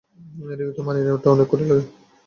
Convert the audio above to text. রিওতে মানিয়ে নেওয়াটা তোমার একটু কঠিন লাগে না?